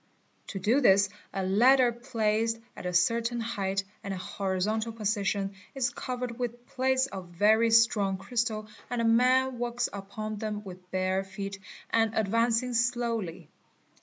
'To do this a ladder placed at a cer tain height and in a horizontal position is covered with plates of very strong crystal and a man walks upon them with bare feet and advancing slowly.